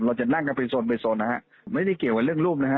เราจะนั่นต้นกันเป็นส่วนนะครับไม่ได้เกี่ยวกับเรื่องรูปนะครับ